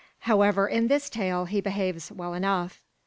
However, in this tale he behaves well enough.